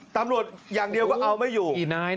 ตำรวจอย่างเดียวก็เอาไม่อยู่